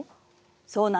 そうなの。